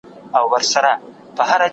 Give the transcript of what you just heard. ایا لوی صادروونکي جلغوزي پلوري؟